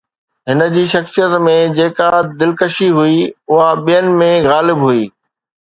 هن جي شخصيت ۾ جيڪا دلڪشي هئي، اها ٻين ۾ غائب هئي.